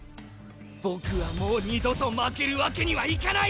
僕はもう二度と負けるわけにはいかない！